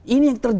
ini yang terakhir